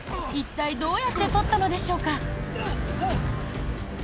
一体、どうやって撮ったのでしょうか？